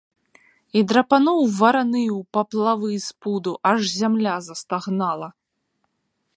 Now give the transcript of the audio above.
І драпануў вараны ў паплавы з пуду, аж зямля застагнала.